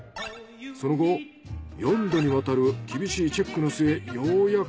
その後四度にわたる厳しいチェックの末ようやく。